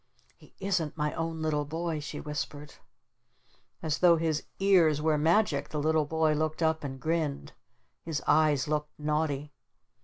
"He isn't my own little boy," she whispered. As though his ears were magic the little boy looked up and grinned. His eyes looked naughty.